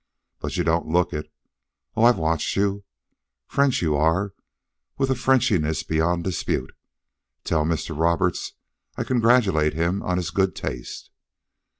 But you don't look it. Oh, I've watched you. French you are, with a Frenchiness beyond dispute. Tell Mr. Roberts I congratulate him on his good taste."